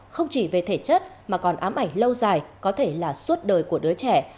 không chỉ về thể chất mà còn ám ảnh lâu dài có thể là suốt đời của đứa trẻ